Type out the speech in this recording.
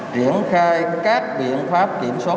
triển khai các biện pháp kiểm soát